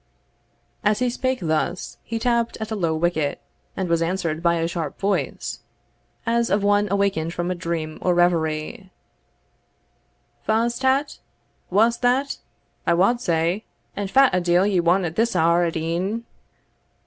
As he spoke thus, he tapped at a low wicket, and was answered by a sharp voice, as of one awakened from a dream or reverie, "Fa's tat? Wha's that, I wad say? and fat a deil want ye at this hour at e'en?